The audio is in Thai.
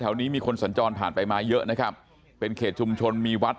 นี้มีคนสัญจรผ่านไปมาเยอะนะครับเป็นเขตชุมชนมีวัด